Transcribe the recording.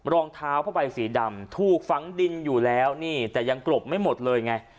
รองเท้าผ้าใบสีดำถูกฝังดินอยู่แล้วนี่แต่ยังกรบไม่หมดเลยไง